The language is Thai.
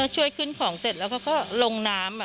ช่วยขึ้นของเสร็จแล้วเขาก็ลงน้ำ